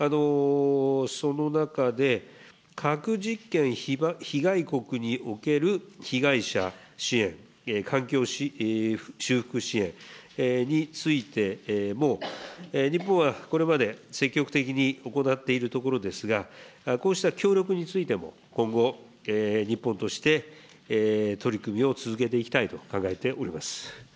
その中で、核実験被害国における被害者支援、環境修復支援についても、日本はこれまで、積極的に行っているところですが、こうした協力についても、今後、日本として取り組みを続けていきたいと考えております。